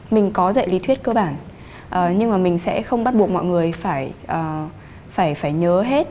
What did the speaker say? mình có dạy lý thuyết cơ bản nhưng mà mình sẽ không bắt buộc mọi người phải nhớ hết